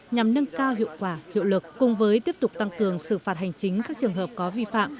nhằm nâng cao hiệu quả hiệu lực cùng với tiếp tục tăng cường xử phạt hành chính các trường hợp có vi phạm